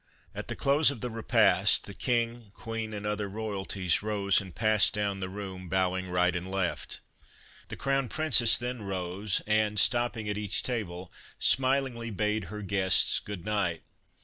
At the close of the repast the King, Queen and other royalties rose and passed down the room, bowing right and left. The Crown Princess then rose, and, stopping at each table, smilingly bade her 6 ) Christmas Under Three hags guests good night.